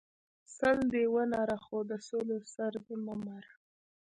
ـ سل دی ونره خو د سلو سر دی مه مره.